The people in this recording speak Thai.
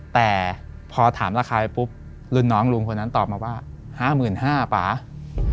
แต่พอถามราคาไปปุ๊บลุงคนนั้นตอบมาว่า๕๕๐๐๐บาท